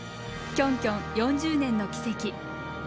キョンキョン４０年の軌跡。